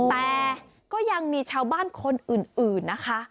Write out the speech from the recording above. แต่ก็ยังมีชาวบ้านคนอื่นนะคะ